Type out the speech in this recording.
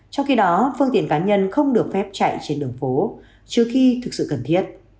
trong khi đó phương tiện cá nhân không được phép chạy trên đường phố trừ khi thực sự cần thiết